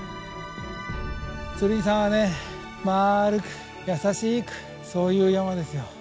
剣山はねまるく優しくそういう山ですよ。